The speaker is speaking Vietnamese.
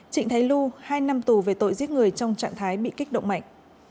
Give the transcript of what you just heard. trịnh thái lu hai năm tù về tội giết người trong trạng thái bị kích động mạnh